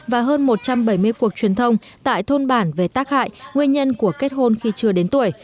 và hơn một trăm bảy mươi cuộc truyền thông tại thôn bản về tác hại nguyên nhân của kết hôn khi chưa đến tuổi